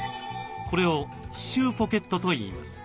これを「歯周ポケット」といいます。